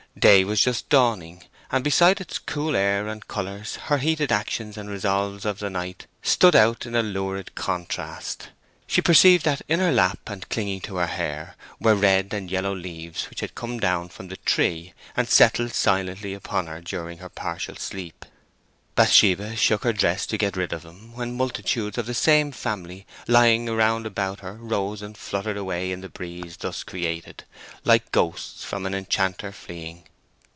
Day was just dawning, and beside its cool air and colours her heated actions and resolves of the night stood out in lurid contrast. She perceived that in her lap, and clinging to her hair, were red and yellow leaves which had come down from the tree and settled silently upon her during her partial sleep. Bathsheba shook her dress to get rid of them, when multitudes of the same family lying round about her rose and fluttered away in the breeze thus created, "like ghosts from an enchanter fleeing."